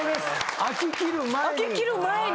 開ききる前に。